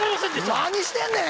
何してんねん！